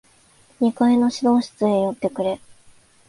二階の指導室へ寄ってくれ。